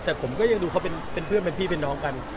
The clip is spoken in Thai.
แต่ผมก็ยังดูเขาเป็นเพื่อนเป็นพี่เป็นน้องกัน